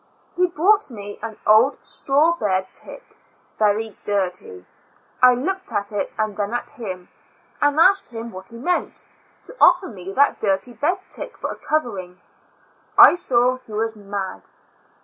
He brought me an old straw bed tick, very dirty. I looked at it and then at him, and asked him what he meant, to offer me that dirty bed tick for a covering. I saw he was mad.